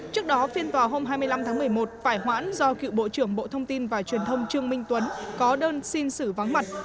trước đó phiên tòa hôm hai mươi năm tháng một mươi một phải hoãn do cựu bộ trưởng bộ thông tin và truyền thông trương minh tuấn có đơn xin xử vắng mặt